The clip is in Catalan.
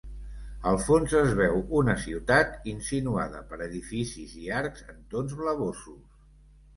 Al fons es veu una ciutat, insinuada per edificis i arcs en tons blavosos.